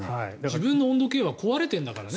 自分の温度計はもう壊れてるんだからね。